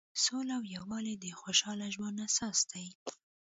سوله او یووالی د خوشحاله ژوند اساس دی.